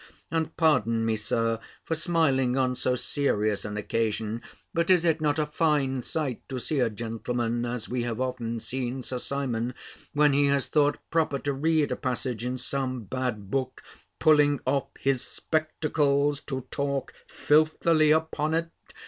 _ And pardon me, Sir, for smiling on so serious an occasion; but is it not a fine sight to see a gentleman, as we have often seen Sir Simon, when he has thought proper to read a passage in some bad book, pulling off his spectacles, to talk filthily upon it?